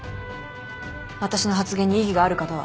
私の発言に異議がある方は？